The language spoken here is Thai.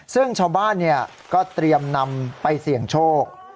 ซึ่งชาวบ้านก็เตรียมนำไปเสี่ยงโชค